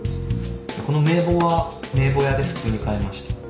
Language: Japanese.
この名簿は名簿屋で普通に買えました。